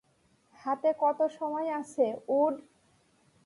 হাতে কত সময় আছে, উড?